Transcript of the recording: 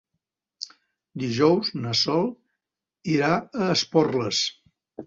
Dijous na Sol irà a Esporles.